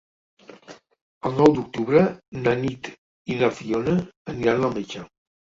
El nou d'octubre na Nit i na Fiona aniran al metge.